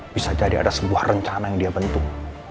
bisa jadi ada sebuah rencana yang dia bentuk